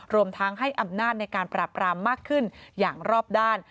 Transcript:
รวมทั้งให้อำนาจในการปราบรามมากขึ้นอย่างรอบด้าน